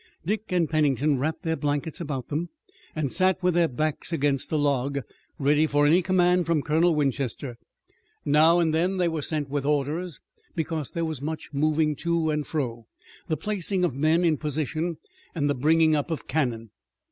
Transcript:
Dick and Pennington wrapped their blankets about them and sat with their backs against a log, ready for any command from Colonel Winchester. Now and then they were sent with orders, because there was much moving to and fro, the placing of men in position and the bringing up of cannon.